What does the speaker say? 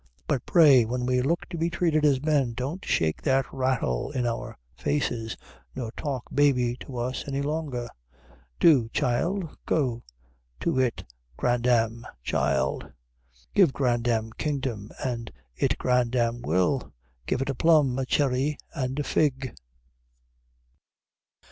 But pray, when we look to be treated as men, don't shake that rattle in our faces, nor talk baby to us any longer. "Do, child, go to it grandam, child; Give grandam kingdom, and it grandam will Give it a plum, a cherry, and a fig!"